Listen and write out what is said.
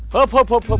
setuju pak rt